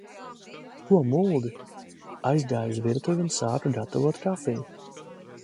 Ko muldi? Aizgāju uz virtuvi un sāku gatavot kafiju.